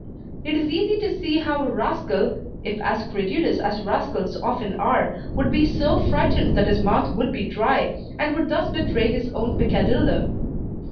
It is easy to see how a rascal, if as credulous as rascals often are, would be so frightened that his mouth would be dry, and would thus betray his own peccadillo.